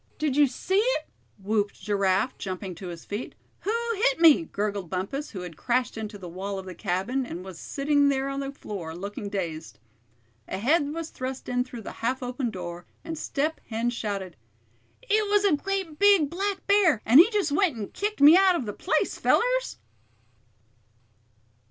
did you see it?" whooped Giraffe, jumping to his feet. "Who hit me?" gurgled Bumpus, who had crashed into the wall of the cabin, and was sitting there on the floor, looking dazed. A head was thrust in through the half open door, and Step Hen shouted: "It was a great big black bear, and he just went and kicked me out of the place, fellers!"